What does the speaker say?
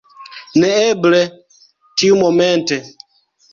Neeble, tiumomente.